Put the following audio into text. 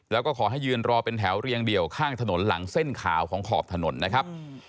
แล้วก็ขอให้ยืนรอเป็นแถวเรียงเดี่ยวข้างถนนหลังเส้นขาวของขอบถนนนะครับ